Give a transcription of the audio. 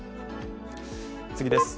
次です。